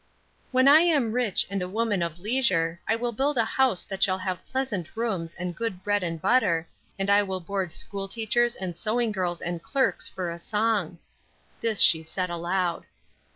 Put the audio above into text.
"When I am rich and a woman of leisure, I will build a house that shall have pleasant rooms and good bread and butter, and I will board school teachers and sewing girls and clerks for a song." This she said aloud.